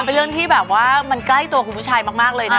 เป็นเรื่องที่แบบว่ามันใกล้ตัวคุณผู้ชายมากเลยนะ